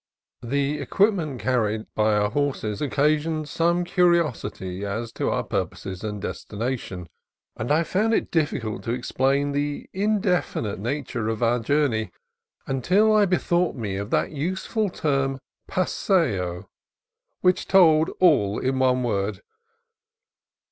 The equipment carried by our horses occasioned some curiosity as to our purposes and destination, and I found it difficult to explain the indefinite nature of our journey until I bethought me of that useful term paseo, which told all in one word.